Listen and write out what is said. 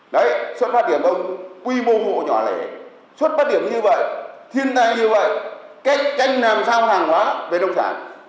đấy xuất phát điểm của quy mô hộ nhỏ lẻ xuất phát điểm như vậy thiên tài như vậy cách tranh làm sao hàng hóa về đồng sản